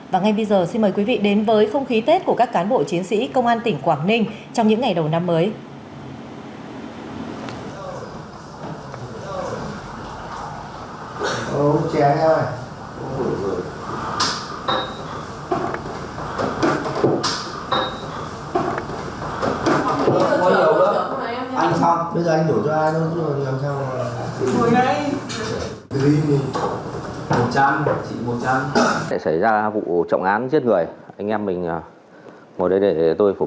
và ngay bây giờ xin mời quý vị đến với không khí tết của các cán bộ chiến sĩ công an tỉnh quảng ninh trong những ngày đầu năm mới